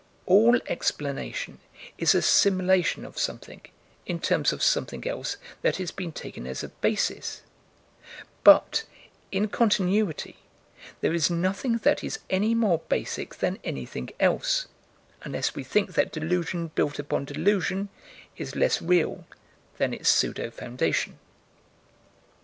All explanation is assimilation of something in terms of something else that has been taken as a basis: but, in Continuity, there is nothing that is any more basic than anything else unless we think that delusion built upon delusion is less real than its pseudo foundation.